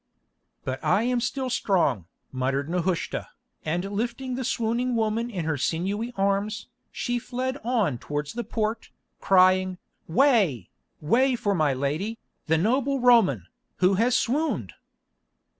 "But I am still strong," muttered Nehushta, and lifting the swooning woman in her sinewy arms, she fled on towards the port, crying, "Way, way for my lady, the noble Roman, who has swooned!"